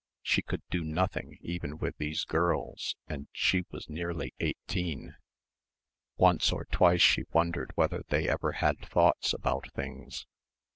She could do nothing even with these girls and she was nearly eighteen. Once or twice she wondered whether they ever had thoughts about things